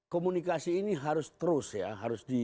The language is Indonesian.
komunikasi ini harus terus ya